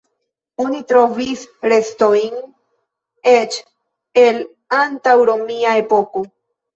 Oni trovis restojn eĉ el antaŭromia epoko.